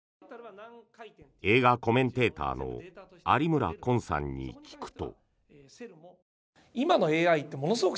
映画コメンテーターの有村昆さんに聞くと。